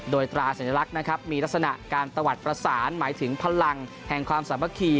โดยตราสัญลักษณ์นะครับมีลักษณะการตะวัดประสานหมายถึงพลังแห่งความสามัคคี